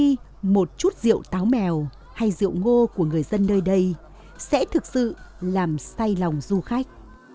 vì một chút rượu táo mèo hay rượu ngô của người dân nơi đây sẽ thực sự làm say lòng du khách